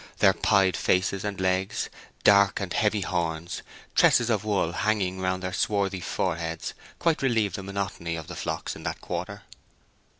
Their pied faces and legs, dark and heavy horns, tresses of wool hanging round their swarthy foreheads, quite relieved the monotony of the flocks in that quarter.